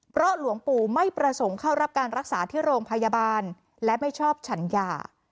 เพราะหลวงปู่ไม่ประสงค์เข้ารับการรักษาที่โรงพยาบาลและไม่ชอบฉันยา